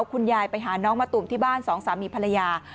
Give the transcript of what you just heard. ไปหาน้องมะตูมที่บ้านสองสามีภรรยา